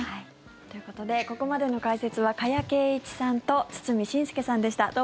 ということでここまでの解説は加谷珪一さんと堤伸輔さんでした。